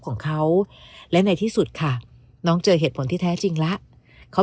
ของเขาและในที่สุดค่ะน้องเจอเหตุผลที่แท้จริงแล้วเขา